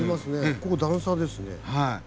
ここ段差ですね。